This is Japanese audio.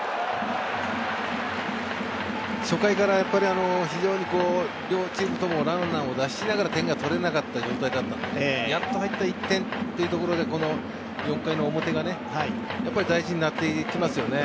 初回から両チーム共にランナーを出しながら点が取れなかったので、やっと入った１点というところでこの４回の表が大事になってきますよね。